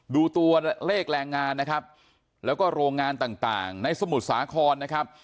ดูตัวเลขแรงงานนะครับแล้วก็โรงงานต่างในสมุทรสาครนะครับ